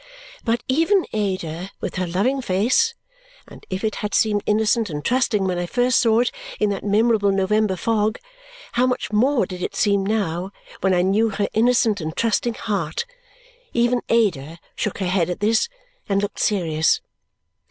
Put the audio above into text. But even Ada, with her loving face and if it had seemed innocent and trusting when I first saw it in that memorable November fog, how much more did it seem now when I knew her innocent and trusting heart even Ada shook her head at this and looked serious.